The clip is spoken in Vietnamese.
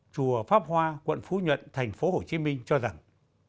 chùa pháp hoa quận phú nhuận thành phố hồ chí minh cho rằng